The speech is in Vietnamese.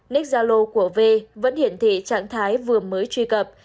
lic gia lô của v vẫn hiển thị trạng thái vừa mới truy cập